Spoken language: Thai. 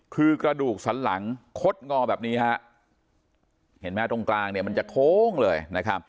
คือกระดูกสันหลังคดงอแบบนี้เห็นไหมตรงกลางมันจะโค้งเลย